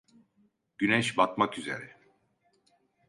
Güneş batmak üzere.